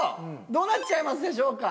どうなっちゃいますでしょうか？